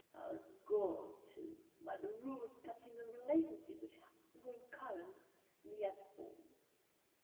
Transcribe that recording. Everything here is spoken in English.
I was galled, too, by the rumor touching a relationship which had grown current in the upper forms.